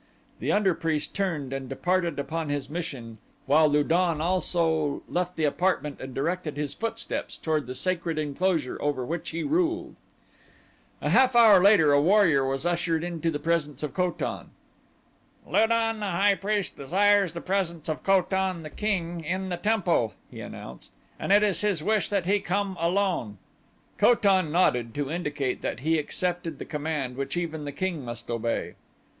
The under priest turned and departed upon his mission while Lu don also left the apartment and directed his footsteps toward the sacred enclosure over which he ruled. A half hour later a warrior was ushered into the presence of Ko tan. "Lu don, the high priest, desires the presence of Ko tan, the king, in the temple," he announced, "and it is his wish that he come alone." Ko tan nodded to indicate that he accepted the command which even the king must obey.